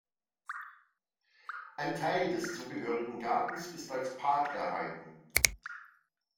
Ein Teil des zugehörigen Gartens ist als Park erhalten.